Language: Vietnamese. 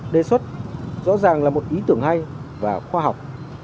đề xuất rõ ràng là một ý tưởng hay và khoa học